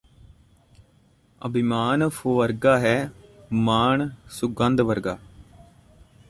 ਅਭਿਮਾਨ ਫੁੱਵਰਗਾ ਹੈ ਮਾਣ ਸੁਗੰਧ ਵਰਗਾ